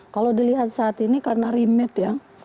kalau dilihat saat ini karena rimed ya